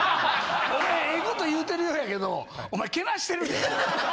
お前ええこと言うてるようやけどお前けなしてるで。